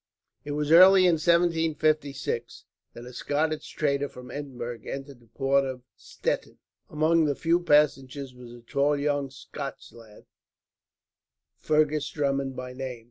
It was early in 1756 that a Scottish trader, from Edinburgh, entered the port of Stettin. Among the few passengers was a tall young Scotch lad, Fergus Drummond by name.